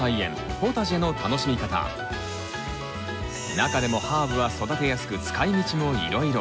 中でもハーブは育てやすく使いみちもいろいろ。